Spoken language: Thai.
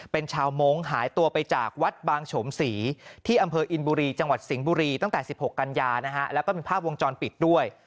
เป็นชาวมงค์หายตัวไปจากวัดบางโฉมศรีที่อำเภออินบุรีจังหวัดสิงห์บุรีตั้งแต่๑๖กันยานะฮะแล้วก็มีภาพวงจรปิดด้วย